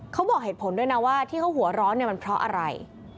เขาบอกเหตุผลด้วยนะว่าที่เขาหัวร้อนเนี่ยมันเพราะอะไร